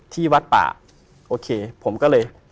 ที่วัดป่าโอเคผมก็เลย